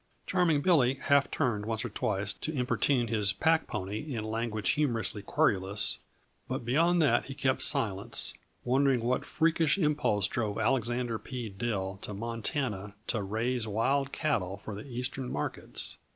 Charming Billy half turned once or twice to importune his pack pony in language humorously querulous, but beyond that he kept silence, wondering what freakish impulse drove Alexander P. Dill to Montana "to raise wild cattle for the Eastern markets."